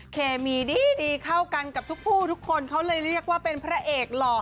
เคมีดีเข้ากันกับทุกผู้ทุกคนเขาเลยเรียกว่าเป็นพระเอกหล่อ